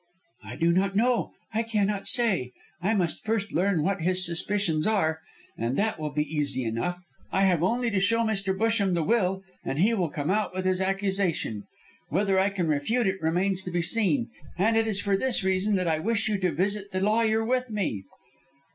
"I do not know; I cannot say. I must first learn what his suspicions are, and that will be easy enough. I have only to show Mr. Busham the will and he will come out with his accusation. Whether I can refute it remains to be seen; and it is for this reason that I wish you to visit the lawyer with me."